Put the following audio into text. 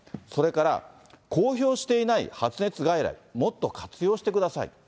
それから、公表していない発熱外来、もっと活用してください。